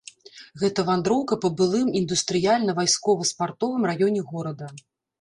Гэта вандроўка па былым індустрыяльна-вайскова-спартовым раёне горада.